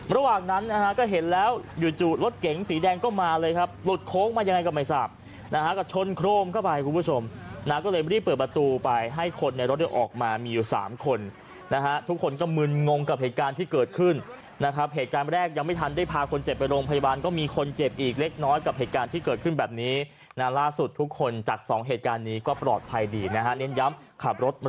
ระหว่างนั้นนะฮะก็เห็นแล้วอยู่จู่รถเก๋งสีแดงก็มาเลยครับหลุดโค้กมายังไงกับใหม่สาบนะฮะก็ชนโครมเข้าไปคุณผู้ชมนะก็เลยรีบเปิดประตูไปให้คนในรถออกมามีอยู่๓คนนะฮะทุกคนก็มึนงงกับเหตุการณ์ที่เกิดขึ้นนะครับเหตุการณ์แรกยังไม่ทันได้พาคนเจ็บไปโรงพยาบาลก็มีคนเจ็บอีกเล็กน้อยกับเหตุก